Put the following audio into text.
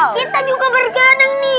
kita juga bergadang nih